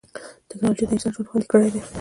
ټکنالوجي د انسان ژوند خوندي کړی دی.